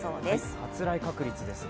発雷確率です。